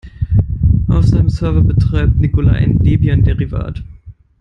Auf seinem Server betreibt Nikolai ein Debian-Derivat.